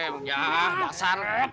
mungjah bakal sarap